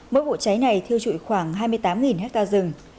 mỗi vụ cháy này thiêu trụi khoảng hai mươi tám hectare rừng